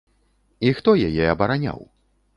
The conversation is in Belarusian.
І хто яе абараняў?